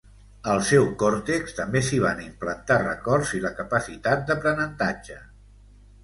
Al seu còrtex també s'hi van implantar records i la capacitat d'aprenentatge.